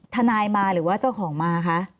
ทนายมาหรือว่าเจ้าของมาคะ